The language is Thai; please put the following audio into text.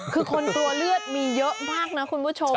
คือคนกลัวเลือดมีเยอะมากนะคุณผู้ชม